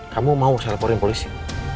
kamu mau saya laporin polisi